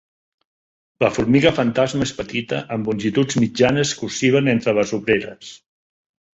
La formiga fantasma és petita amb longituds mitjanes que oscil·len entre les obreres.